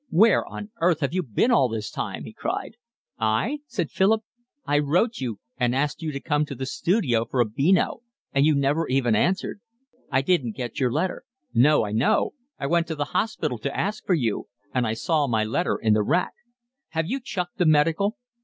"Where on earth have you been all this time?" he cried. "I?" said Philip. "I wrote you and asked you to come to the studio for a beano and you never even answered." "I didn't get your letter." "No, I know. I went to the hospital to ask for you, and I saw my letter in the rack. Have you chucked the Medical?"